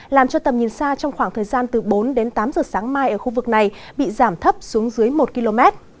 làm cho tầm nhìn xa trong khoảng thời gian từ bốn đến tám giờ sáng mai ở khu vực này bị giảm thấp xuống dưới một km